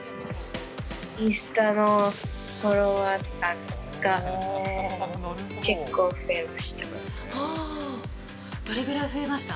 インスタのフォロワーとかが結構増えました。